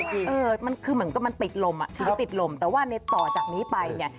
เหมือนมันติดลมชีวิตติดลมแต่ว่าต่อจากนี้ไปเนี่ย